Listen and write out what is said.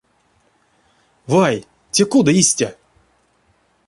Вай, те кода истя?